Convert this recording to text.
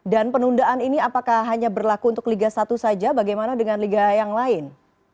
dan penundaan ini apakah hanya berlaku untuk liga satu saja bagaimana dengan liga yang lain